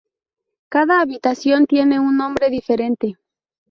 Cada habitación tiene un nombre diferente.